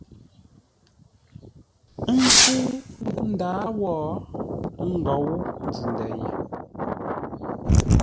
Ə́ nkə́u ndǎa wó, ə́ ngǒu nzʉ-ndə̂ ye.